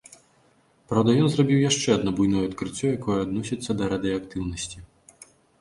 Праўда, ён зрабіў яшчэ адно буйное адкрыццё, якое адносіцца да радыеактыўнасці.